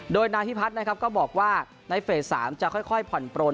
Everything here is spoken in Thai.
โดยนาภิพัฒน์ก็บอกว่าในเฟส๓จะค่อยผ่อนปรน